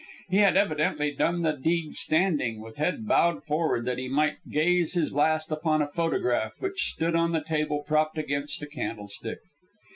He had evidently done the deed standing, with head bowed forward that he might gaze his last upon a photograph which stood on the table propped against a candlestick.